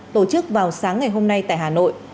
tổ chức vào sáng ngày hôm nay tại hà nội